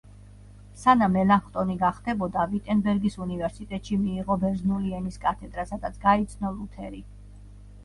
სანამ მელანხტონი გახდებოდა, ვიტენბერგის უნივერსიტეტში მიიღო ბერძნული ენის კათედრა, სადაც გაიცნო ლუთერი.